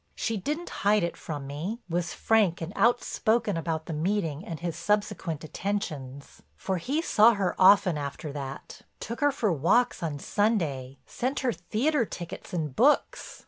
"She didn't hide it from me, was frank and outspoken about the meeting and his subsequent attentions. For he saw her often after that, took her for walks on Sunday, sent her theater tickets and books.